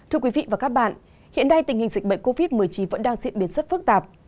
thưa quý vị và các bạn hiện nay tình hình dịch bệnh covid một mươi chín vẫn đang diễn biến rất phức tạp